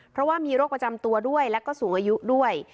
เพราะว่ามีโรคประจำตัวด้วยแล้วก็สูงอายุด้วย